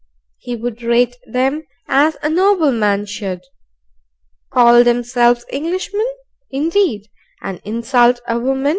He would rate them as a nobleman should: "Call themselves Englishmen, indeed, and insult a woman!"